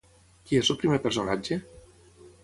Qui és el primer personatge?